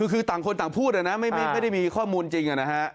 คือต่างคนต่างพูดนะไม่ได้มีข้อมูลจริงนะฮะ